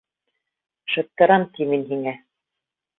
Шыттырам ти мин һиңә!